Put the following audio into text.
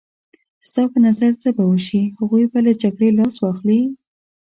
ستا په نظر څه به وشي؟ هغوی به له جګړې لاس واخلي.